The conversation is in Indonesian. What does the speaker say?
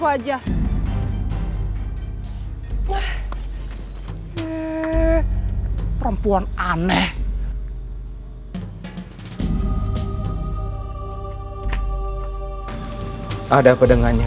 racunya sudah hilang